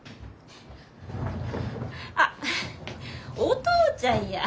あっお父ちゃんや。